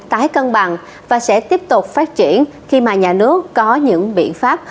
tái cân bằng và sẽ tiếp tục phát triển khi mà nhà nước có những biện pháp